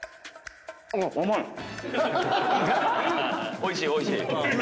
おいしいおいしい。